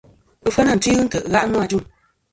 Ɨfyanatwi ghɨ ntè' gha' nô ajuŋ.